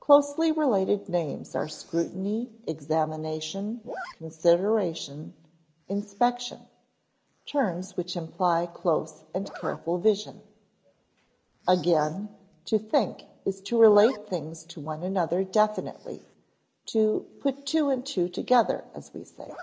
Closely related names are scrutiny, examination, consideration, inspection terms which imply close and careful vision. Again, to think is to relate things to one another definitely, to "put two and two together" as we say.